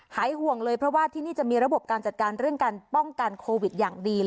หายห่วงเลยเพราะว่าที่นี่จะมีระบบการจัดการเรื่องการป้องกันโควิดอย่างดี